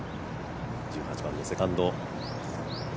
１８番のセカンド。